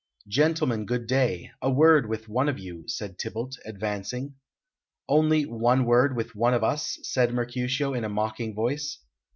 "Gentlemen, good day; a word with one of you," said Tybalt, advancing. "Only one word with one of us?" said Mercutio in a mocking voice.